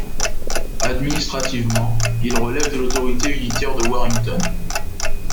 Administrativement, il relève de l'autorité unitaire de Warrington.